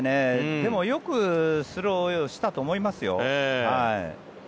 でも、よくスローしたと思いますよ。